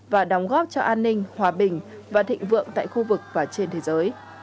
và đóng góp cho an ninh hòa bình và thịnh vượng tại khu vực và trên thế giới